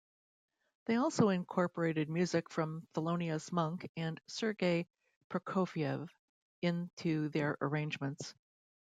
They also incorporated music from Thelonious Monk and Sergei Prokofiev into their arrangements.